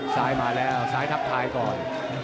ซ้ายมาแล้วซ้ายทักทายก่อน